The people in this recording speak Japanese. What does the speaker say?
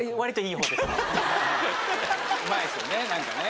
うまいですよね何かね。